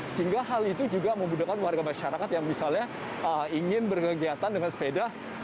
sehingga hal itu juga memudahkan warga masyarakat yang misalnya ingin berkegiatan dengan sepeda